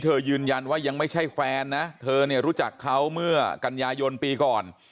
ยืนยันว่ายังไม่ใช่แฟนนะเธอเนี่ยรู้จักเขาเมื่อกันยายนปีก่อน